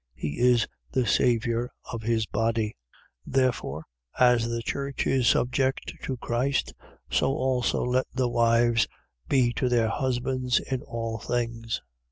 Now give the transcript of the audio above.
He is the saviour of his body. 5:24. Therefore as the church is subject to Christ: so also let the wives be to their husbands in all things.